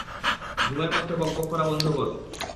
ঘুমের মধ্যে বকবক করা বন্ধ কর।